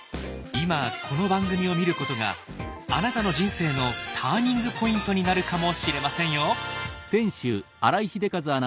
今この番組を見ることがあなたの人生のターニングポイントになるかもしれませんよ。